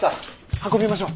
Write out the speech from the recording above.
運びましょう。